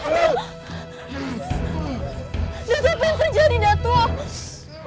datuk apa yang terjadi datuk